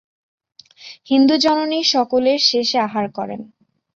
হিন্দুজননী সকলের শেষে আহার করেন।